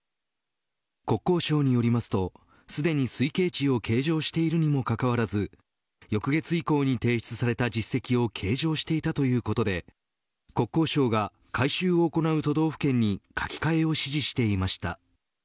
国交省によりますとすでに推計値を計上しているにもかかわらず翌月以降に提出された実績を計上していたということで国交省が回収を行う都道府県に書き換えを指示していました。